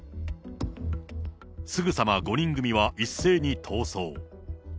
すぐさま５人組は一斉に逃走。